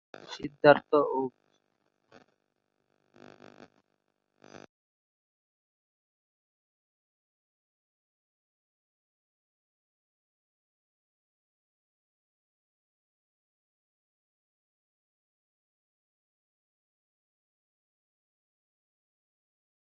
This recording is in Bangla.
সমবায় কৃষিকাজ সমগ্র মার্কিন যুক্তরাষ্ট্র, কানাডা এবং সারা বিশ্বে বিভিন্ন আকারে বিদ্যমান।